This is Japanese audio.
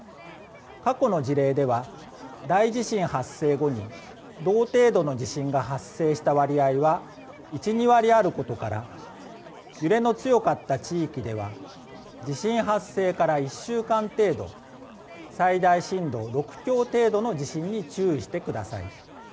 過去の事例では大地震発生後に同程度の地震が発生した割合は１２割あることから揺れの強かった地域では地震発生から１週間程度最大震度６強程度の地震に注意してください。